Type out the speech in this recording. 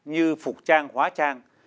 như phục trang hóa trang